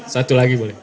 satu lagi boleh